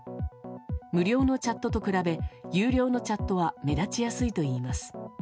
無料のチャットと比べ有料のチャットは目立ちやすいといいます。